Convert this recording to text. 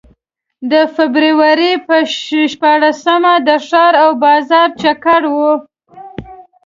د فبروري په شپاړسمه د ښار او بازار چکر و.